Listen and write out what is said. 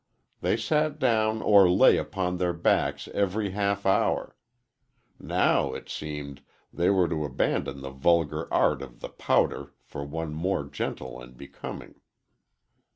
They sat down or lay upon their backs every half hour. Now, it seemed, they were to abandon the vulgar art of the pouter for one more gentle and becoming.